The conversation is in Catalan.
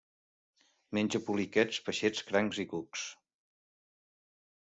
Menja poliquets, peixets, crancs i cucs.